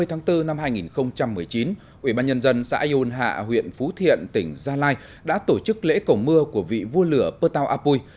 hai mươi tháng bốn năm hai nghìn một mươi chín ubnd xã yôn hạ huyện phú thiện tỉnh gia lai đã tổ chức lễ cầu mưa của vị vua lửa patao apui